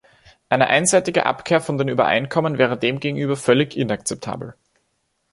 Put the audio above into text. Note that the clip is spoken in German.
Eine einseitige Abkehr von den Übereinkommen wäre demgegenüber völlig inakzeptabel.